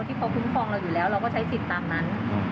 ที่เขาคุ้มครองเราอยู่แล้วเราก็ใช้สิทธิ์ตามนั้น